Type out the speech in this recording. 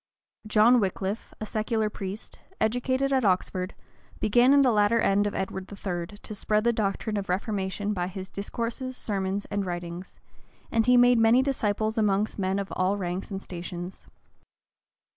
John Wickliffe, a secular priest, educated at Oxford, began in the latter end of Edward III. to spread the doctrine of reformation by his discourses, sermons, and writings; and he made many disciples among men of all ranks and stations.